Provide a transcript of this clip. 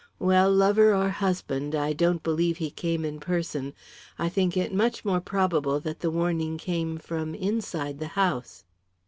"Well, lover or husband, I don't believe he came in person. I think it much more probable that the warning came from inside the house."